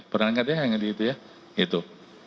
pernah nggak deh yang itu ya gitu